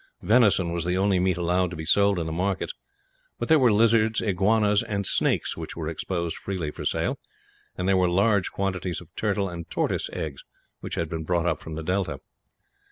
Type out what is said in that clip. Venison was the only meat allowed to be sold in the markets; but there were lizards, iguanas, and snakes, which were exposed freely for sale; and there were large quantities of turtle and tortoise eggs, which had been brought up from the delta.